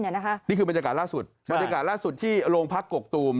นี่คือบรรยากาศล่าสุดบรรยากาศล่าสุดที่โรงพักกกตูม